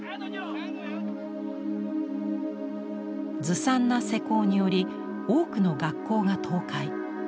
ずさんな施工により多くの学校が倒壊。